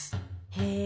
へえ。